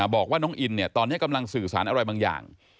บอกว่าน้องอินตอนนี้กำลังสื่อสารอะไรบางอย่าง